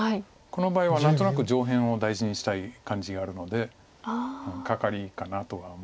この場合は何となく上辺を大事にしたい感じがあるのでカカリかなとは思いました。